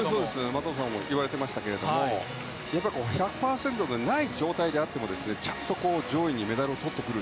松岡さんもおっしゃってましたが１００％でない状態であっても上位にメダルを取ってくる。